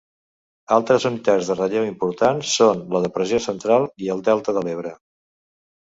Altres unitats de relleu importants són la Depressió Central i el Delta de l'Ebre.